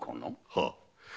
はあ。